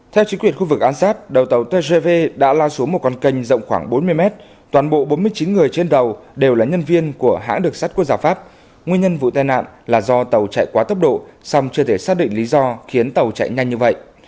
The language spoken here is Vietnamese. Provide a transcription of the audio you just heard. theo chính quyền khu vực ansat đầu tàu tgv đã lao xuống một con kênh rộng khoảng bốn mươi mét toàn bộ bốn mươi chín người trên đầu đều là nhân viên của hãng được sắt quốc gia pháp nguyên nhân vụ tai nạn là do tàu chạy quá tốc độ song chưa thể xác định lý do khiến tàu chạy nhanh như vậy